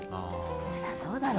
そりゃそうだろう。